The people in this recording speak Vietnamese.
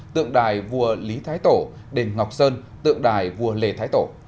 tượng đài vua lý thái tổ đền ngọc sơn tượng đài vua lê thái tổ